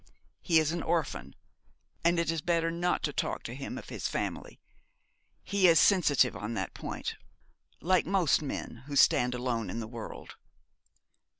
He is an orphan, and it is better not to talk to him of his family. He is sensitive on that point, like most men who stand alone in the world.'